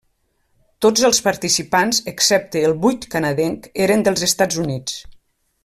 Tots els participants excepte el vuit canadenc eren dels Estats Units.